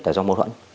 tại do mâu thuẫn